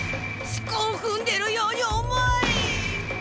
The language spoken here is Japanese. しこを踏んでいるように重い！